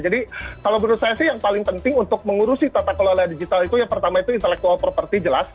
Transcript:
jadi kalau menurut saya sih yang paling penting untuk mengurusi tata kelola digital itu ya pertama itu intellectual property jelas